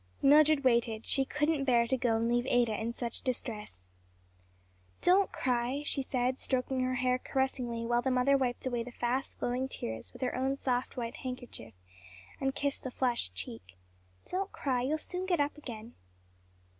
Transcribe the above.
Mildred waited; she couldn't bear to go and leave Ada in such distress. "Don't cry," she said, stroking her hair caressingly while the mother wiped away the fast flowing tears with her own soft white handkerchief, and kissed the flushed cheek, "don't cry, you'll soon get up again."